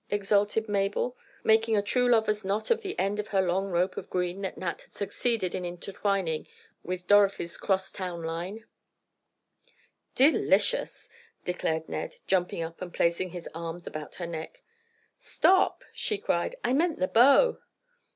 exulted Mabel, making a true lover's knot of the end of her long rope of green that Nat had succeeded in intertwining with Dorothy's 'cross town line'. "Delicious," declared Ned, jumping up and placing his arms about her neck. "Stop," she cried. "I meant the bow."